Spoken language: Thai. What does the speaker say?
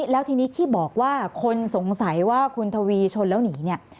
แล้วทีนี้ที่บอกว่าคนสงสัยว่าคุณทวีชนแล้วหนีเนี่ย